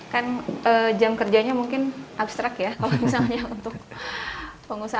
kan jam kerjanya mungkin abstrak ya kalau misalnya untuk pengusaha